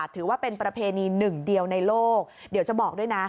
ถือว่าเป็นประเพณีหนึ่งเดียวในโลกเดี๋ยวจะบอกด้วยนะ